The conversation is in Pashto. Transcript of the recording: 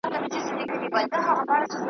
موږ خو هیڅ لیدلي نه دي هر څه ولیدل یزدان .